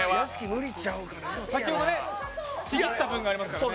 先ほどちぎった分がありますからね。